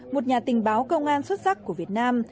một nhà tình báo công an xuất sắc của việt nam